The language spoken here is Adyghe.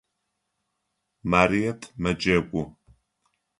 Марыет мэджэгу.